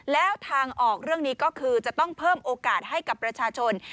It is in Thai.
แล้วทางออกเรื่องนี้ก็คือจะต้องเพิ่มโอกาสให้กับประชาชน